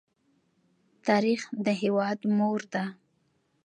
تاریخ د هېواد مور ده.